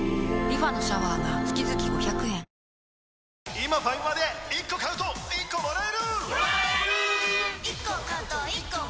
今ファミマで１個買うと１個もらえるもらえるっ！！